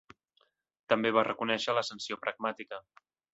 També va reconèixer la sanció pragmàtica.